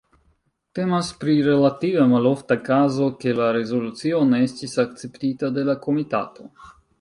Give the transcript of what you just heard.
Temas pri relative malofta kazo ke la rezolucio ne estis akceptita de la komitato.